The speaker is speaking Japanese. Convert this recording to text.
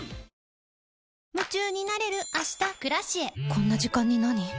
こんな時間になに？